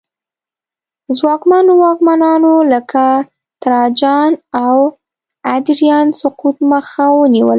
ځواکمنو واکمنانو لکه تراجان او ادریان سقوط مخه ونیوله